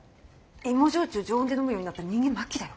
芋焼酎常温で飲むようになったら人間末期だよ。